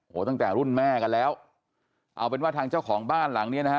โอ้โหตั้งแต่รุ่นแม่กันแล้วเอาเป็นว่าทางเจ้าของบ้านหลังเนี้ยนะฮะ